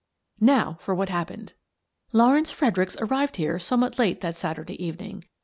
"Now for what happened: Lawrence Fred ericks arrived here somewhat late that Saturday evening.